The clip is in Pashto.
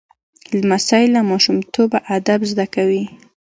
لمسی له ماشومتوبه ادب زده کوي.